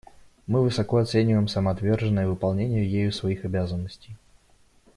Мы высоко оцениваем самоотверженное выполнение ею своих обязанностей.